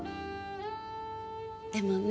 でもね